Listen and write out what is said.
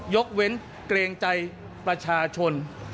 ยกเว้นเกรงใจประชาชน